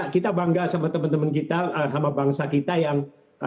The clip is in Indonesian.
kita bangga sama teman teman kita sama bangsa kita yang